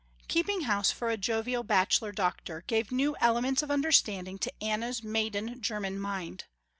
Keeping house for a jovial bachelor doctor gave new elements of understanding to Anna's maiden german mind.